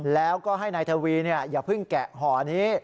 แล้วก็ให้นายทวีอย่าเพิ่งแกะห่อนี้